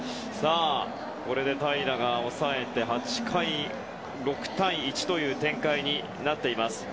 平良が抑えて８回、６対１という展開になっています。